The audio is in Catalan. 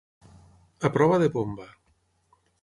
A prova de bomba.